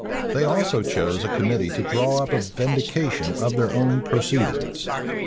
They also chose a committee to draw up a vindication of their own proceedings.